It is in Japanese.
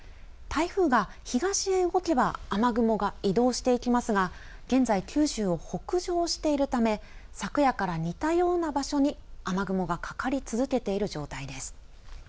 台風が東へ動けば雨雲が移動していきますが現在、九州を北上しているため昨夜から似たような場所に雨雲がかかり続けている状態です。